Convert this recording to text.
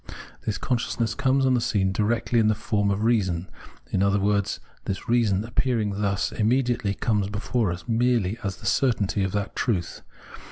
This consciousness comes on the scene directly in the form of reason ; in other words, this reason, appearing thus immediately, comes before us merely as the certainty of that truth.